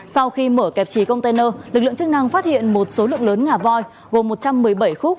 sau khi mở kẹp trì container lực lượng chức năng phát hiện một số lượng lớn ngà voi gồm một trăm một mươi bảy khúc